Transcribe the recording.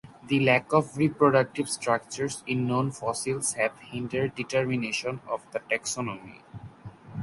The lack of reproductive structures in known fossils have hindered determination of the taxonomy.